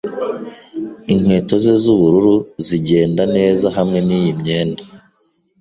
Inkweto ze z'ubururu zigenda neza hamwe niyi myenda.